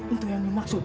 itu yang dimaksud